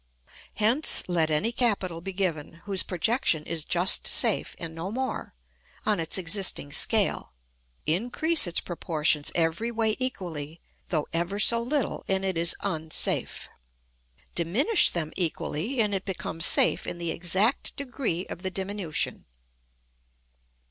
Hence, let any capital be given, whose projection is just safe, and no more, on its existing scale; increase its proportions every way equally, though ever so little, and it is unsafe; diminish them equally, and it becomes safe in the exact degree of the diminution.